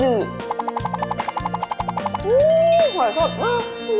อู้วหายสดมาก